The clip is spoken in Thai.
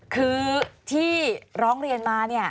คือที่ร้องเรียนมาเนี่ย